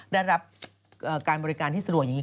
ได้รับการบริการที่สะดวกอย่างนี้